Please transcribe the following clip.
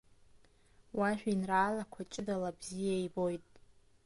Уажәеинраалақәа ҷыдала бзиа ибоит…